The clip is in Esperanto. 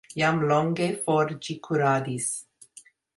Jam longe for ĝi kuradis.